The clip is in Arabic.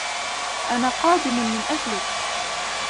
أنا قادم من أجلك.